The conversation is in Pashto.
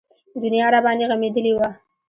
دنيا راباندې غمېدلې وه.